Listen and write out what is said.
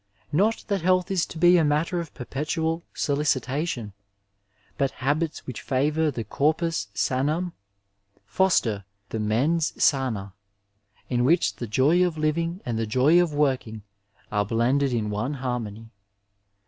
Not that health is to be a matter of perpetual solicitation, bat habits which favour the carpus sanum foster the mens sana, in which the joy of living and the joy of working are blended in one harmony.